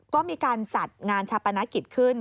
ก็มีการจัดงานชาปนกิจขึ้น